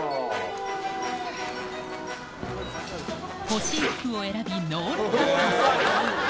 欲しい服を選びノールックパス。